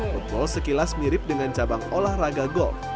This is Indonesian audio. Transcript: wood bowl sekilas mirip dengan cabang olahraga golf